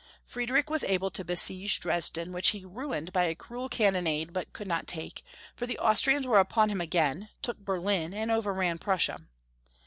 Friedrich was able to besiege Dresden, which he ruined by a cruel cannonade but could not take, for the Austrians were upon him again, took Berlin, and overran Prussia.